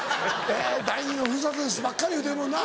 「第２の古里です」ばっかり言うてるもんな。